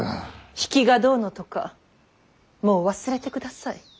比企がどうのとかもう忘れてください。